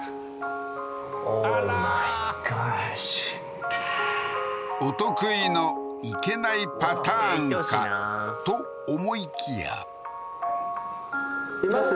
お得意のいけないパターンかと思いきやいます？